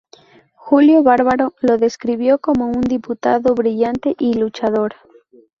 Julio Bárbaro lo describió como un diputado "brillante y luchador".